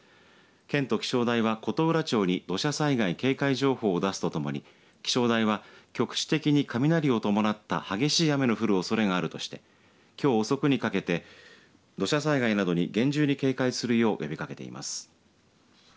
県と気象台は琴浦町に土砂災害警戒情報を出すとともに気象台は局地的に雷を伴った激しい雨の降るおそれがあるとしてきょう遅くにかけて土砂災害などに厳重に警戒するよう呼びかけています。